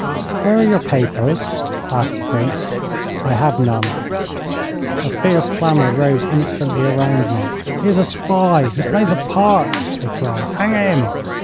'Where are your papers?' asked the Prince. 'I have none.' A fierce clamour rose instantly around me. 'He is a spy! He plays a part!' they cried. 'Hang him!'